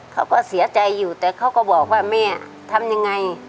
เขาก็เสียใจอยู่แต่เขาก็บอกว่าแม่ทำยังไง